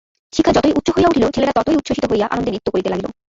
শিখা যতই উচ্চ হইয়া উঠিল ছেলেরা ততই উচ্ছ্বসিত আনন্দে নৃত্য করিতে লাগিল।